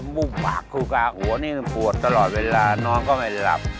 มึงบากคลุกะอัวนิปวดตลอดเวลานอนก็ไม่หลับ